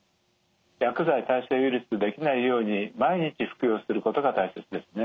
薬剤耐性ウイルスできないように毎日服用することが大切ですね。